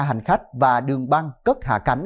hành khách và đường băng cất hạ cánh